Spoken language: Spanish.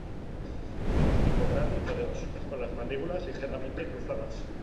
Tiene un pico grande y poderoso, con las mandíbulas ligeramente cruzadas.